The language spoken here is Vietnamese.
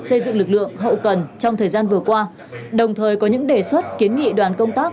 xây dựng lực lượng hậu cần trong thời gian vừa qua đồng thời có những đề xuất kiến nghị đoàn công tác